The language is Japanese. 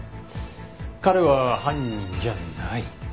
彼は犯人じゃない？